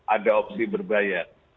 ada opsi berbayar